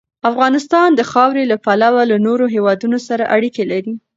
افغانستان د خاورې له پلوه له نورو هېوادونو سره اړیکې لري.